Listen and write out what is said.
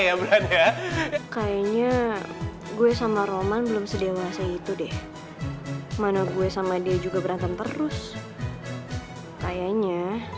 ya kayaknya gue sama roman belum sedewasa itu deh mana gue sama dia juga berantem terus kayaknya